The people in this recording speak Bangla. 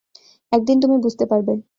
একদিন তুমি বুঝতে পারবে।